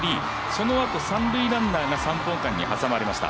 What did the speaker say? そのあと、三塁ランナーが挟まれました。